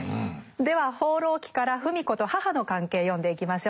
では「放浪記」から芙美子と母の関係読んでいきましょう。